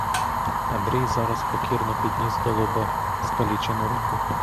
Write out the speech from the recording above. Андрій зараз покірно підніс до лоба скалічену руку.